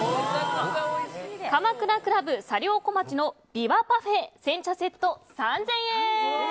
鎌倉倶楽部茶寮小町の枇杷パフェ煎茶セット３０００円。